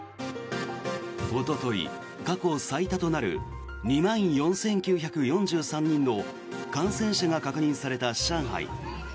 おととい、過去最多となる２万４９４３人の感染者が確認された上海。